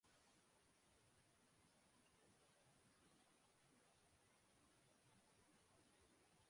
Their preferred habitat is shallow riffles with loose, uncompacted gravel bottoms.